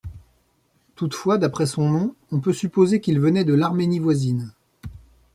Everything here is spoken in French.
Toutefois, d'après son nom, on peut supposer qu'il venait de l'Arménie voisine.